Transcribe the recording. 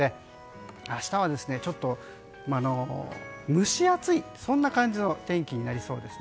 明日は、蒸し暑いそんな感じの天気となりそうです。